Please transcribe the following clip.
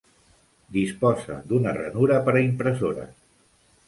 Disposa d'una ranura per a impressores.